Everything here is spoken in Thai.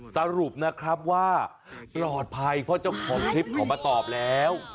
สรุปนะครับว่าปลอดภัยเพราะเจ้าของคลิปเขามาตอบแล้ว